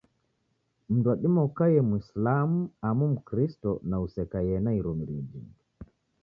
Mndu wadima ukaiye Mwisilamu amu Mkristo na usekaiye na irumiro jhingi